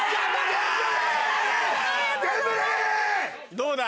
どうだ？